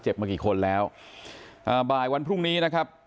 มากี่คนแล้วอ่าบ่ายวันพรุ่งนี้นะครับ